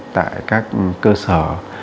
tại các cơ sở